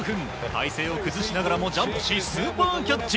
体勢を崩しながらもジャンプしスーパーキャッチ。